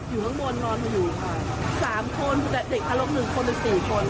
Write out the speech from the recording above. อยู่ข้างบนนอนมาอยู่ค่ะ